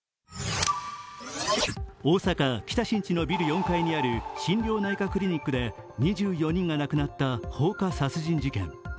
大阪・北新地のビル４階にある心療内科クリニックで２４人が亡くなった放火殺人事件。